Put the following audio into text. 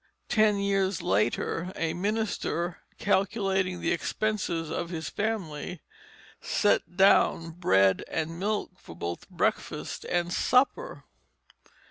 Ten years later a minister, calculating the expenses of his family, set down bread and milk for both breakfast and supper.